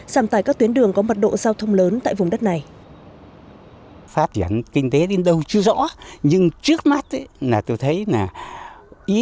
giảm tải các tuyến đường có mật độ giao thông lớn tại vùng đất này